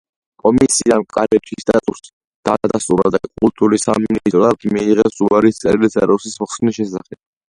კომისიამ კარიბჭის სტატუსი დაადასტურა და კულტურის სამინისტროდან მიიღეს უარის წერილი სტატუსის მოხსნის შესახებ.